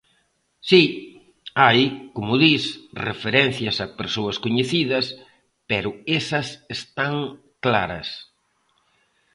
Si, hai, como dis, referencias a persoas coñecidas, pero esas están claras.